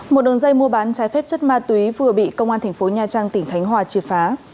một đường dây mua bán trái phép chất ma túy vừa bị công an tp nha trang tỉnh khánh hòa chi phá